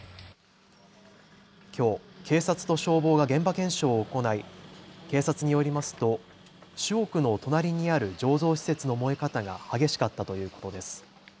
きょう警察と消防が現場検証を行い警察によりますと主屋の隣にある醸造施設の燃え方が激しかったということです。